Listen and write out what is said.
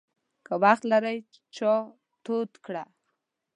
که وخت لرې، چای تود کړه!